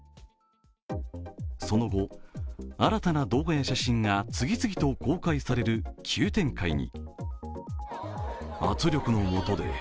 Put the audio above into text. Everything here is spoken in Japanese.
その後、新たな動画や写真が次々と公開される急展開に。